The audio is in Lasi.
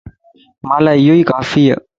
مان لا اھو اي ڪافيَ